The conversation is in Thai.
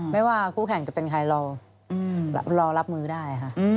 ไม่ว่าคู่แข่งจะเป็นใครเรารอรับมือได้ค่ะ